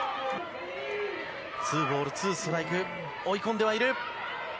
ツーボールツーストライク、追い込んではいる。